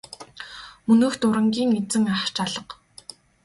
Мөнөөх дурангийн эзэн ах ч алга.